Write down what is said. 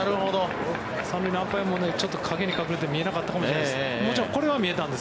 ３塁のアンパイアも陰に隠れて見えなかったかもしれないです。